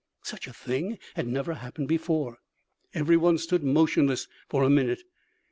Such a thing had never happened before. Every one stood motionless for a minute.